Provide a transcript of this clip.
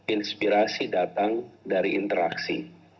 inspirasi datang dari interaksi